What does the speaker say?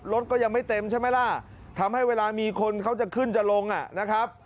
รถก็ยังไม่เต็มใช่ไหมล่ะทำให้เวลามีคนเขาจะขึ้นจะลงอ่ะนะครับ